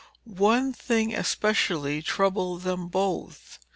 One thing especially troubled them both.